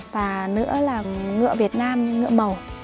và nữa là ngựa việt nam ngựa màu